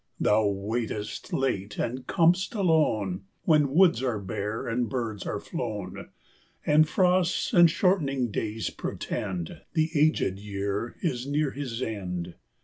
Thou waitest late and com'st alone, When woods are bare and birds are flown, And frosts and shortening days portend The aged year is near his end.